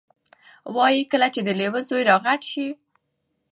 وایي کله چې د لیوه زوی را غټ شي،